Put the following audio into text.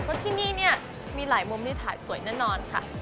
เพราะที่นี่เนี่ยมีหลายมุมที่ถ่ายสวยแน่นอนค่ะ